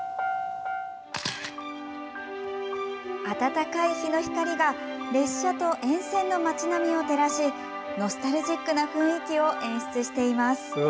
温かい日の光が列車と沿線の街並みを照らしノスタルジックな雰囲気を演出しています。